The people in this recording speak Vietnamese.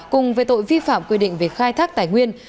cùng về tội vi phạm quy định về khai thác tài nguyên